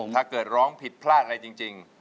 ถ้าเกิดร้องผิดพลาดอะไรจริง